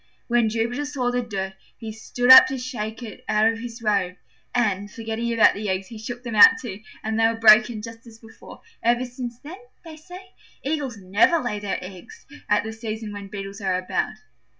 When Jupiter saw the dirt, he stood up to shake it out of his robe, and, forgetting about the eggs, he shook them out too, and they were broken just as before. Ever since then, they say, Eagles never lay their eggs at the season when Beetles are about.